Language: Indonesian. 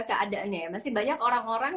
keadaannya ya masih banyak orang orang